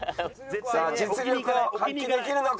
さあ実力を発揮できるのか？